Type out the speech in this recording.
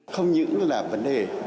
không những là vấn đề